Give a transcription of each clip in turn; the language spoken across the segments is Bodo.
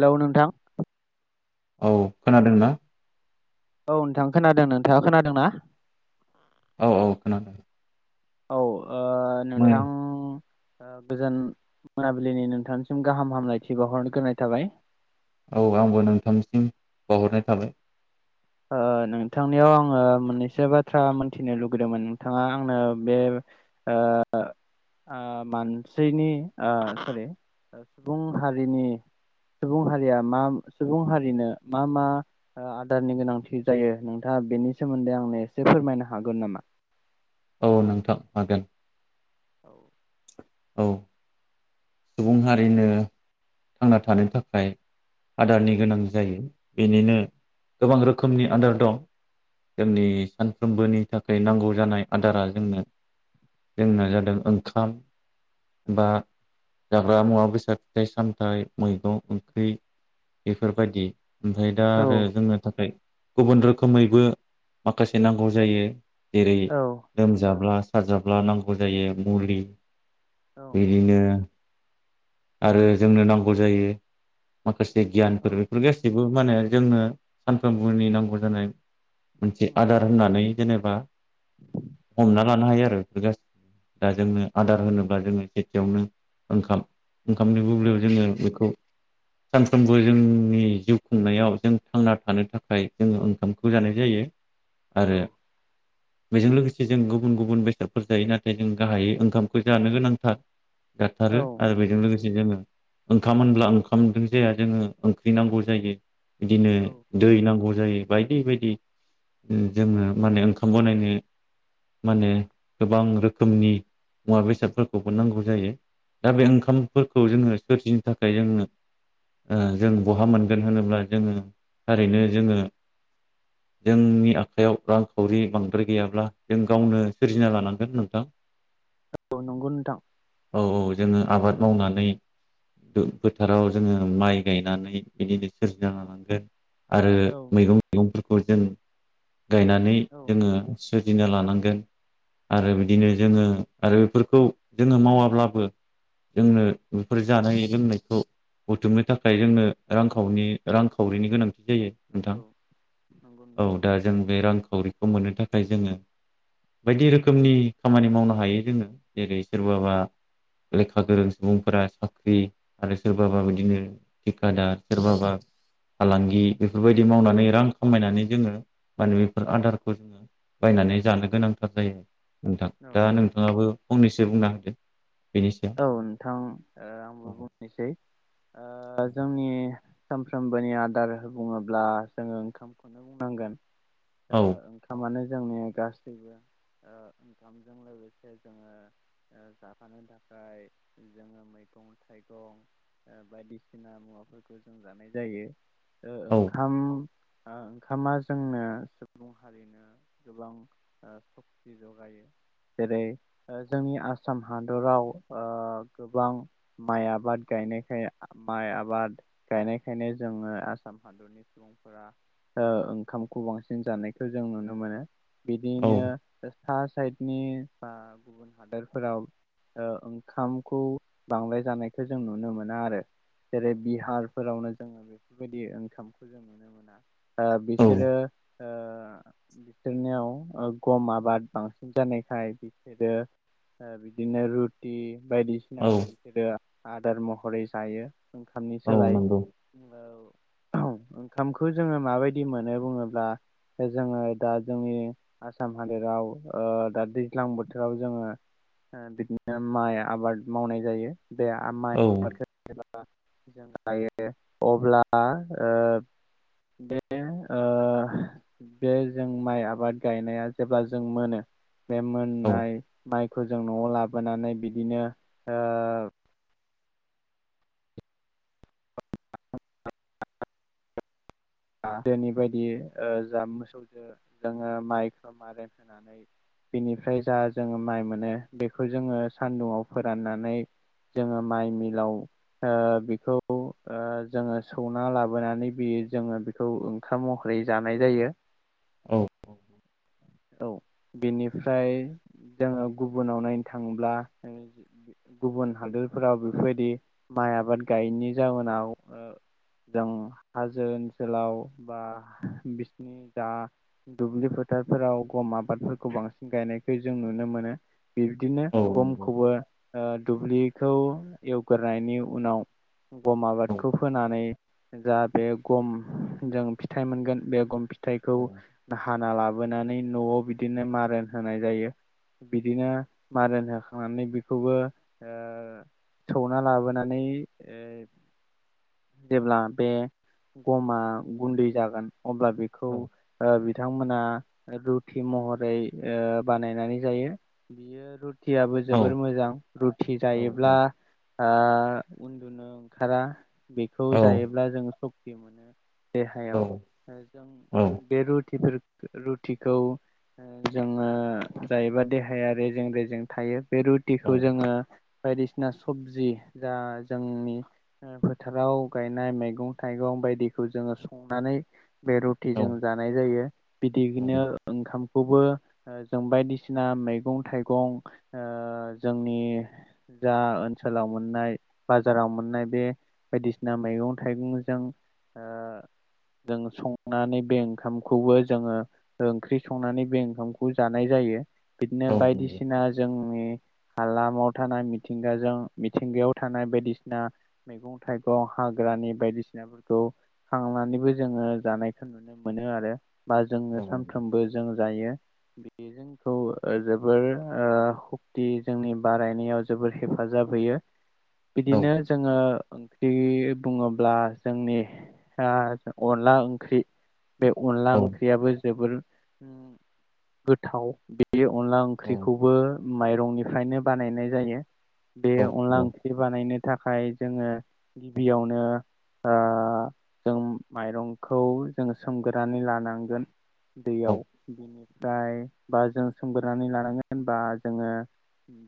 हेलौ नोंथां। औ खोनादोंना? औ नोंथां खोनादों, नोंथाङा खोनादोंना? औ औ खोनादों। औ ओ मो नोंथां। ओ गोजोन मोनाबिलिनि नोंथांनिसिम गाहाम हामलायथि बावहरग्रोनाय थाबाय। औ आंबो नोंथांसिम बावहरनाय थाबाय। ओ नोंथांनियाव आङो मोननैसो बाथ्रा मोनथिनो लुगैदोंमोन नोंथाङा आंनो बे ओ ओ मानसैनि ओ सरि ओ सुबुं हारिनि सुबुं हारिया मा सुबुं हारिनो मा मा आदारनि गोनां थि जायो, नोंथाङा बेनि सोमोन्दै आंनो एसे फोरमायनो हागोन नामा? औ नोंथां हागोन। औ। औ। सुबुं हारिनो थांना थानो थाखाय आदारनि गोनां जायो। बेनिनो गोबां रोखोमनि आदार दं जोंनि सान फ्रोमबोनि थाखाय नांगौ जानाय आदारा जोंनो जोंना जादों ओंखाम। बा जाग्रा मुवा बेसाद फिथाइ सामथाइ, मैगं, ओंख्रि बेफोरबायदि, ओमफ्राय दा औ आरो जोंनो थाखाय गुबुन रोखोमैबो माखासे नांगौ जायो जेरै औ लोमजाब्ला साजाब्ला नांगौ जायो मुलि औ बिदिनो आरो जोंनो नांगौ जायो माखासे गियानफोर औ बेफोर गासैबो माने जोंनो सानफ्रोमबोनि नांगौ जानाय [inaudible] मोनसे आदार होननानै जेनेबा हमना लानो हायो आरो बेफोरबो दा जोंनो आदार होनोबा जोङो एसेयावनो ओंखाम ओंखामनि बुब्लियाव जोङो बेखौ [inaudible] सानफ्रोमबो जोंनि जिउ खुंनायाव जों थांना थानो थाखाय जोङो ओंखामखौ जानाय जायो। औ आरो बेजों लोगोसे जों गुबुन गुबुन बेसादफोर जायो, नाथाय जों गाहायै ओंखामखौ जानो गोनांथार। दा औ जोङो ओंखाम होनब्ला ओंखामजों जाया जोङो ओंख्रि नांगौ जायो। बिदिनो औ दै नांगौ जायो, बायदि बायदि। जोङो माने औ ओंखाम बनायनो माने गोबां रोखोमनि मुवा बेसादफोरखौबो नांगौ जायो दा बे ओंखामफोरखौ जोङो सोरजिनो थाखाय जोंङो जों बहा मोनगोन होनोब्ला जोङो थारैनो जोङो [inaudible] जोंनि आखायाव रांखावरि बांद्राय गैयाब्ला जों गावनो सोरजिना लानांगोन नोंथां औ नंगौ नोंथां औ औ जोङो आबाद मावनानै नै फोथाराव जोङो माइ गायनानै बिदिनो सोरजिना लानांगोन आरो औ मैगं मैगंफोरखौ जों गायनानै उम जोङो सोरजिना लानांगोन आरो बिदिनो जोङो आरो बेफोर खौ जोङो मावाब्लाबो जोंनो बेफोर जानाय लोंनायखौ बुथुमनो थाखाय जोंनो रांखावनि रांखावरिनि गोनांथि जायो नोंथां औ नंगौ औ नोंथां दा जों बे रांखावरिखौ मोननो थाखाय जोङो बायदि रोखोमनि खामानि मावनो हायो जोङो जेरै सोरबाबा लेखा गोरों सुबुंफोरा साख्रि आरो सोरबाबा बिदिनो थेकादार सोरबाबा फालांगि बेफोरबायदि मावनानै रां खामायनानै जोङो माने बेफोर आदारखौ जोङो बायनानै जानो गोनांथार जायो नोंथां औ दा नोंथाङाबो फंनैसो बुंना होदो बेनि सायाव औ नोंथां ओ आंबो औ बुंनोसै ओ जोंनि सानफ्रोमबोनि आदार बुङोब्ला जोङो ओंखामखौनो बुंनांगोन औ ओ ओंखामानो जोंनि गासैबो ओ ओंखामजों लोगोसे जोङो जाफानो थाखाय [unintelligible] जोङो मैगं थाइगं ओ बायदिसिना मुवाफोरखौ जों जानाय जायो ओ औ ओंखाम ओंखामा जोंनो [unintelligible] हारिनो गोबां ओ सक्ति जगायो जेरै जोंनि आसाम हादराव ओ गोबां माइ आबाद गायनायखाय माइ आबाद गायनायखायनो जोङो आसाम आसाम हादरनि सुबुंफोरा ओंखामखौ बांसिन जानायखौ जों नुनो मोनो औ बिदिनो सा साइदनि बा गुबुन हादोरफोराव ओ ओं ओंखामखौ बांलाय जानायखौ जों नुनो मोना आरो जेरै बिहारफोरावनो जोङो बे बेफोरबायदि ओंखामखौ जों नुनो मोना बा औ बिसोरो बिसोरनियाव गम आबाद बांसिन जानायखाय बिसोरो ओ बिदिनो रुटि औ बायदिसिनाखौ बिसोरो आदार महरै जायो ओंखामनि औ सोलाय नंगौ [unintelligible] ओंखामखौ जोङो माबायदि मोनो बुङोब्ला जोङो दा जोंनि आसाम हादोराव ओ दा दैज्लां बोथोराव जोङो ओ बिदिनो माइ आबाद मावनाय जायो बे आ माइ औ आबादखौ एबा जों हायो अब्ला ओ बे ओ बे जों माइ आबाद गायनाया जेब्ला जों मोनो बे औ मोननाय माइखौ जों नआव लाबोनानै बिदिनो ओ दोनि बायदि जा मोसौजों जोङो माइखौ मारेन होनानै बिनिफ्राय जा जोङो माइ मोनो बेखौ जोङो सानदुंआव फोराननानै जोङो माइ मिलाव ओ बेखौ ओ जोङो सौना लाबोनानै बि बि जोङो बेखौ ओंखाम महरै जानाय जायो औ [unintelligible] औ बेनिफ्राय जोङो गुबुनाव नायनो थाङोब्ला गुबुन हादोरफोराव बेफोरबायदि माइ आबाद गायैनि जाउोनाव ओ जों हाजो ओनसोल ओनसोलाव बा बिसिनि दा दुब्लि फोथारफोराव गम आबादफोरखौ बांसिन गायनायखौ जों नुनो मोनो बिब्दिनो औ नंगौ गमखौबो दुब्लिखौ एवगोरोनायनायनि उनाव गम आबादखौ औ फोनानै जा बे गम जों फिथाइ मोनगोन बे गम फिथाइखौ हाना लाबोनानै न'आव बिदिनो मारोन होनाय जायो। बिदिनो औ मारोन होखांनानै बिखौबो ओ सौना लाबोनानै ओ जेब्ला बे गमा गुन्दै जागोन अब्ला बिखौ औ ओ बिथां मोना रुथि महरै ओ बानायनानै जायो बियो रु टियाबो औ जोबोर मोजां रुथि औ जायोब्ला औ ओ उन्दुनो ओंखारा बिखौ औ जायोब्ला जों सक्ति मोनो। देहायाव जों औ बे रुथिफोर रुथिखौ ओ जोङो जायोबा देहाया रेजें रेजें थायो बे रुटिखौ औ जोङो बायदिसिना सबजि जा जोंनि ओ फोथाराव गायनाय मेगं थाइगं बायदिखौ जोङो संनानै बे रुटि जों जानाय जायो। बिदिनो- ओंखामखौबो ओ जों बायदिसिना मेगं थाइगं ओ जोंनि जा ओनसोलाव मोननाय बाजाराव मोननाय बे बायदिसिना मैगं थाइगं जों ओ जों संनानै बे ओंखामखौबो जोङो ओंख्रि संनानै बे ओंखामखौ जानाय जा यो औ बिदिनो नंगौ बायदिसिना जोंनि हालामाव थानाय मिथिंगाजों मिथिंगायाव थानाय बायदिसिना मैगं थाइगं हाग्रा रानि बायदिसिनाफोरखौ खांनानैबो जोङो जानायखौ नुनो मोनो आरो बा औ जोङो नंगौ सानफ्रोमबो जों जायो। बियो जोंखौ जोबोर ओ सक्ति जोंनि बारायनायाव जोबोर हेफा जाब होयो औ नंगौ बिदिनो जोङो ओंख्रि बुङोब्ला जोंनि आ अनला ओंख्रि बे अनला ओंख्रियाबो जोबोर ओम गोथाव बि अनला ओंख्रिखौबो माइरंनिफ्रायनो बानायनाय जायो। बे अनला ओंख्रि बानायनो थाखाय जोङो गिबियावनो ओ जों माइरंखौ जों सोमगोरोनानै लानांगोन। दैयाव बिनिफ्राय बा जों सोमगोरोनानै लानांगोन बा जोङो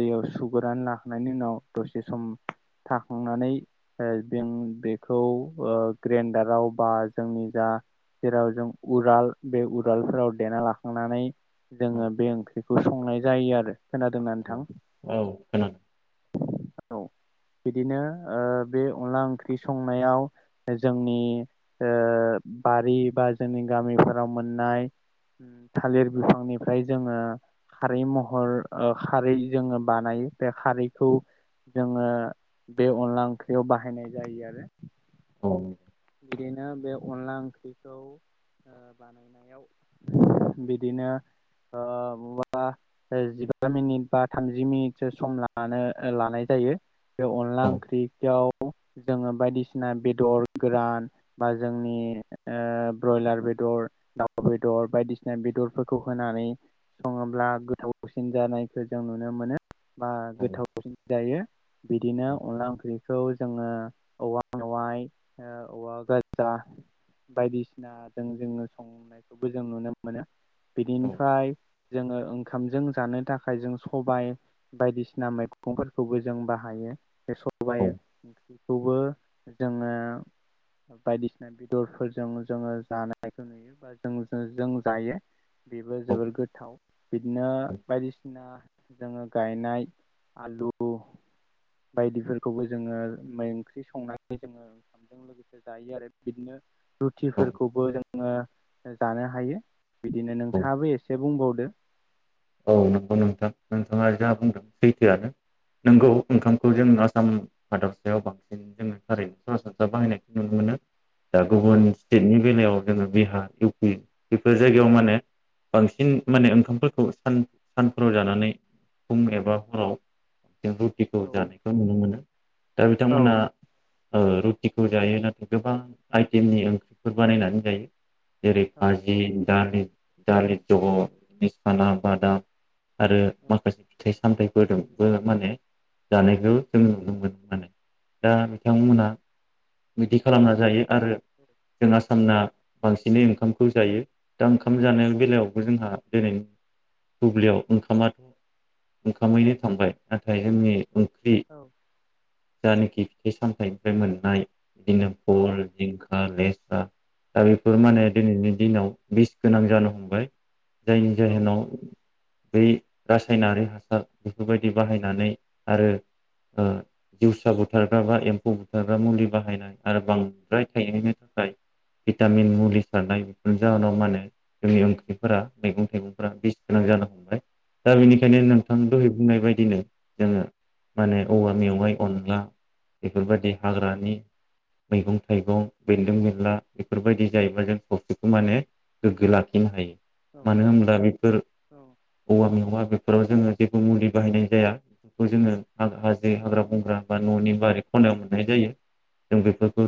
दैयाव सुगुरानो लाखांनायनि उनाव दसे सम थाखांनानै ओ बें बेखौ ओ ओ ग्रेन्डाराव बा जोंनि जा जेराव जों उराल बे उरालफोराव देना लाखांनानै जोङो बे ओंख्रिखौ संनाय जायो आरो। खोनादोंना औ नोंथां औ खोनादों। औ बिदिनो ओ बे अनला ओंख्रि स संनायाव जोंनि ओ बारि बा जोंनि गामिफोराव मोनना आय ओम थालिर बिफांनिफ्राय जोङो खारै महर ओ खारै जोङो बानायो बे खारैखौ जोङो बे अनला ओंख्रियाव बाहायनाय जायो आ औ। बिदिनो बे अनला ओंख्रिखौ ओ बानायनायाव बिदिनो ओ बा जिबा मिनिट बा थामजि मिनिसो सम लानो लानाय जायो। यो बे औ अनला ओंख्रियाव जोङो बायदिसिना बेदर गोरान बा जोंनि ओ ब्रयलार बेदर, दाउ बेदर बायदिसिना बे दरफोरखौ होनानै सङोब्ला गोथावसिन जानायखो जों नुनो मोनो। बा औ गोथावसिन जायो बिदिनो अनला ओंख्रिखौ जोङो औवा मेवाय, ओ उवा गाजा बायदिसिनाजों जोङो संनायखौबो जों नुनो मोनो बिदिनिफ्राय जोङो ओंखामजों जानो थाखाय जों सबाय बायदिसिना मैगंफोरखौबो जों बाहायो। बे सबाय ओंख्रिखौबो जोङो बायदिसिना बेदरफोरजों जोङो जानायखौ नुयो, बा जों जों जायो। बेबो जोबोर गोथाव बिदिनो बायदिसिना जोङो गायनाय आलु बायदिफोरखौबो जोङो ओंख्रि संनानै जोङो ओंखामजों लोगोसे जायो। आरो बिदिनो रुथिफोरखौबो जोङो जानो हायो। बिदिनो नोंथाङाबो एसे बुंबावदो। औ नंगौ नोंथां नोंथाङा जा औ बुंदों सैथोआनो नोंगौ औ ओंखामखौ जों आसाम हादरसायाव बांसिन जोङो थारैनो सरासनस्रा बाहायनायखौ नुनो मोनो। दा औ गुबुन स्टेटनि बेलायाव जोङो बिहार इउपि बेफोर जायगायाव माने बांसिन औ माने ओंखामफोरखौ सान सानफोराव जानानै फुं एबा हराव जों रुथिखौ औ जानायखौ नुनो मोनो दा औ बिथांमोना ओ रुटिखौ जायो नाथाय गोबां आइटेमनि ओंख्रिफोर बानायनानै जायो। जेरै औ खाजि दालि दालि जग' बि साना बादाम। आरो माखासे फिथाइ सामथाइफोरजोंबो माने जानायखौ जों नुनो मोनो। दा बिथांमोना बिदि खालामना जायो आरो जोंना सानना बांसिनै ओंखामखौ जायो। दा ओंखाम जानाय बेलायावबो जोंहा दिनैनि बुब्लियाव ओंखामाथ' ओंखामैनो थांबाय नाथाय जोंनि ओंख्रि औ जानेखि फिथाइ सामथाइनिफ्राय मोननाय बिदिनो औ भल जिंखा लेस्रा दा बेफोर माने दिनैनि दिनाव बिस गोनां जानो हमबाय। जायनि औ जाहोनाव बै रासायनारि हासार बेफोरबायदि बाहायनानै आरो ओ जिउसा बुथारग्रा बा एम्फौ बुथारग्रा मुलि बाहायनाय आरो बांद्राय थायैनि थाखाय भिटामिन मुलि सारनाय बेफोरनि जाहोनाव माने जोंनि ओंख्रिफोरा मैगं थाइगंफोरा बिस गोनां जानो हमबाय दा बेनिखायनो नोंथां दहै बुंनाय बाय दिनो जोङो माने औवा मेवाइ अनला बेफोरबायदि हाग्रानि मैगं थाइगं बेन्दों बेनला बेफोरबायदि जायोबा जों सावस्रिखौ माने गोग्गो लाखिनो हायो। मानो होमब्ला बेफोर औवा मेवा बेफोराव जोङो जेबो मुलि बाहायनाय जाया बेखौ जोङो हा-हाजो हाग्रा बंग्रा बा न'नि बारि खनायाव मोननाय जायो। जों बेफोरखौ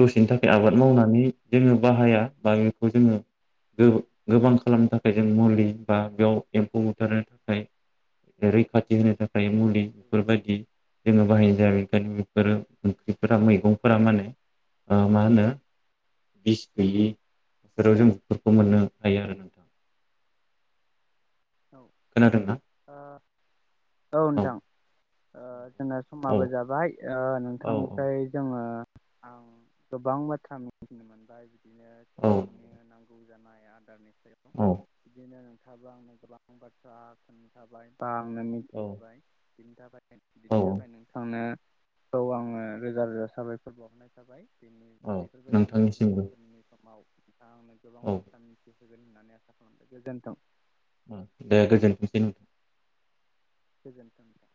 दसेनि थाखाय आबाद मावनानै जोङो बाहाया बा बेखौ जोङो गो-गोबां खालामनो था खाय जों मुलि बा बेयाव एम्फौ बुथारनो थाखाय रैखाथि होनो था खाय मुलि बेफोरबायदि जोङो बाहायनाय जाया बेखायनो बेफोरो ओंख्रिफोरा मैगंफोरा माने ओ मा होनो बिस गैयि फोराव जों बेफोरखौ मोननो हायो आरो नोंथां। औ खोनादोंना आ औ नोंथां। आ जोंना औ समाबो जाबाय औ औ नोंथांनिफ्राय जोङो आं गोबां बाथ्रा मिथिनो मोनबाय बिदिनो औ सुबुंनि नांगौ जानाय आदारनि सायाव औ। बिदिनो नोंथाङाबो आंनो गोबां बाथ्रा खोन्थाबाय बा आंनो मिथि औ होबाय बिनि थाखाय औ बिनि थाखाय नोंथांनो खौ आङो रोजा रोजा साबायखर बावहरनाय थाबाय। दिनै औ बेफोरबायदिनो उननि नोंथांनिसिमबो फोरनि समाव नोंथाङा आंनो गोबां औ बाथ्रा मिथिहोगोन होननानै आसा खालामदों गोजोन्थों। अ दे गोजोनथोंसै नोंथां। गोजोनथों।